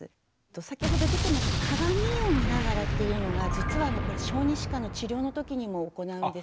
先ほど出ていました鏡を見ながらっていうのが実はこれ小児歯科の治療のときにも行うんです。